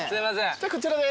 じゃこちらで。